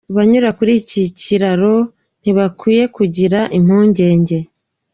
Abanyura kuri iki kiraro ntibakwiye kugira impungenge’.